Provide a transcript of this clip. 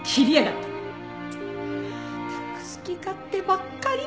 ったく！好き勝手ばっかり！